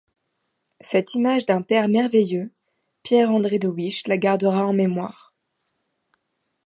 Cette image d'un père merveilleux, Pierre-André de Wisches la gardera en mémoire.